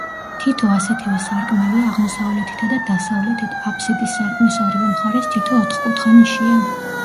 თითო ასეთივე სარკმელია აღმოსავლეთითა და დასავლეთით, აფსიდის სარკმლის ორივე მხარეს თითო ოთკუთხა ნიშია.